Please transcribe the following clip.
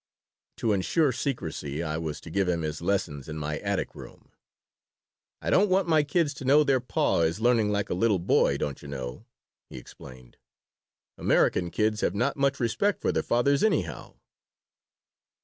To insure secrecy I was to give him his lessons in my attic room "I don't want my kids to know their pa is learning like a little boy, don't you know," he explained. "American kids have not much respect for their fathers, anyhow."